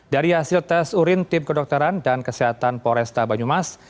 dari hasil tes urin tim kedokteran dan kesehatan poresta banyumas